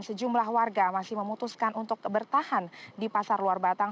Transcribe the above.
sejumlah warga masih memutuskan untuk bertahan di pasar luar batang